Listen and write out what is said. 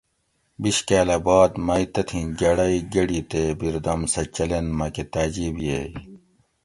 بیش کاۤلہ باد مئ تتھیں گڑئ گۤڑی تے بیردم سہۤ چلینت مکۤہ تاجیب ییگ